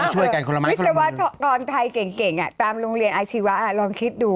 มิสวัสดิ์ตอนไทยเก่งตามลงเรียนอาร์จิวาร์ลองคิดดู